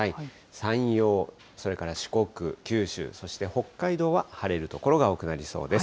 山陽、それから四国、九州、そして北海道は晴れる所が多くなりそうです。